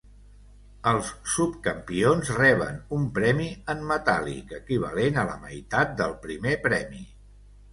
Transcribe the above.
Els subcampions reben un premi en metàl·lic equivalent a la meitat del primer premi.